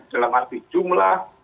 selama arti jumlah